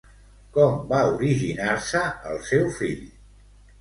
Com va originar-se el seu fill?